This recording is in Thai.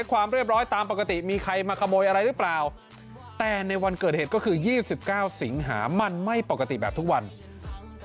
วันเกิดเห็ดก็คือ๒๙สิงหามั่นไหม่ปกติแบบทุกวันนี้